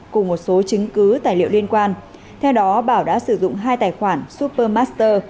cùng một số chứng cứ tài liệu liên quan theo đó bảo đã sử dụng hai tài khoản supermaster